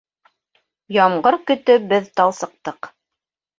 Ямғыр көтөп беҙ талсыҡтыҡ.